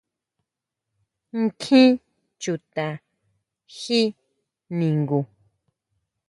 ¿ʼNkjin chuta ji ningu?